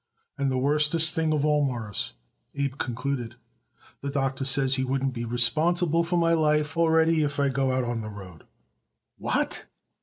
"And the worstest thing of all, Mawruss," Abe concluded, "the doctor says he wouldn't be responsible for my life already if I go out on the road." "What?"